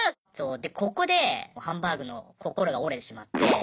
でここでハンバーグの心が折れてしまって。